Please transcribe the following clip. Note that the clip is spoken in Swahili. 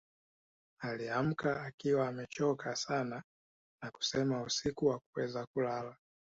Aliamka akiwa amechoka sana na kusema usiku hakuweza kulala